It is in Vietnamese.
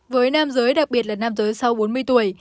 với nam giới đặc biệt là nam giới sau bốn mươi tuổi